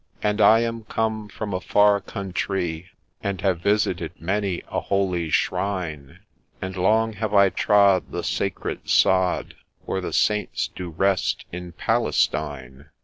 * And I am come from a far countree, And have visited many a holy shrine ; And long have I trod the sacred sod Where the Saints do rest in Palestine